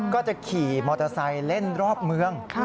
ก็จะขี่มอเตอร์ไซค์เล่นรอบเมือง